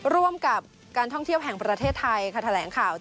ร่วมกับการท่องเที่ยวแห่งประเทศไทยค่ะแถลงข่าว